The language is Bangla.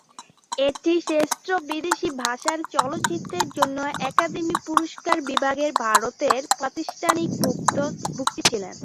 এটি শ্রেষ্ঠ বিদেশী ভাষার চলচ্চিত্রের জন্য একাডেমি পুরস্কার বিভাগে ভারতের প্রাতিষ্ঠানিক ভুক্তি ছিল।